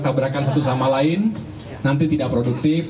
tabrakan satu sama lain nanti tidak produktif